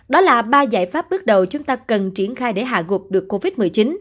đó là ba giải pháp bước đầu chúng ta cần triển khai để hạ gục được covid một mươi chín